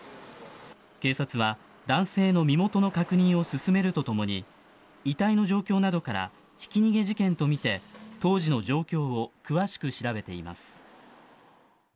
警察は男性の身元の確認を進めるとともに遺体の状況などからひき逃げ事件とみて当時の状況を詳しく調べています。